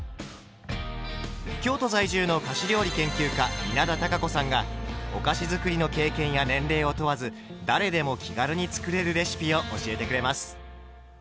京都在住の菓子料理研究家稲田多佳子さんがお菓子づくりの経験や年齢を問わず誰でも気軽に作れるレシピを教えてくれます。